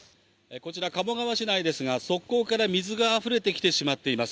こちら、鴨川市内ですが、側溝から水があふれてきてしまっています。